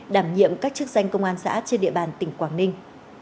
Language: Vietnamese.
đảm nhiệm các chức danh công an xã trên địa bàn tỉnh quảng ninh